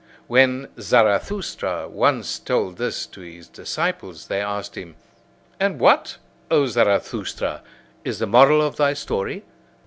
When Zarathustra once told this to his disciples they asked him: "And what, O Zarathustra, is the moral of thy story?"